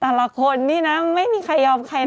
แต่ละคนนี้นะเรจิคงเป็นคนไม่ได้แล้ว